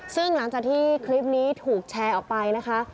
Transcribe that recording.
ซึ่งหลังจากที่คลิปนี้ถูกแชร์ออกไปนะคะ